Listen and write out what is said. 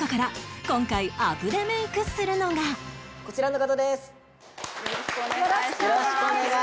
こちらの方です。